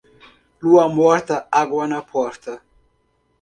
Lua morta, água na porta.